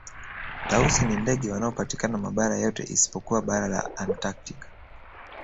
Tausi ni ndege wanaopatikana mabara yote isipokuwa bara la antaktika